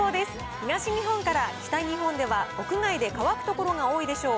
東日本から北日本では、屋外で乾く所が多いでしょう。